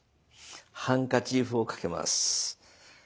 ハンカチーフをかけます。